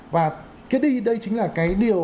và kế đi đây chính là cái điều